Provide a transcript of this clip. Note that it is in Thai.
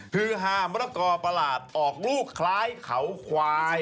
ภือฮามมะละกอออกลูกคล้ายเขาควาย